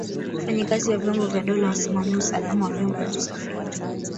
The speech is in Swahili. wafanyakazi wa vyombo vya dola wasimamie usalama wa vyombo vya usafiri